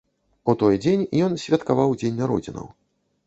У той дзень ён святкаваў дзень народзінаў.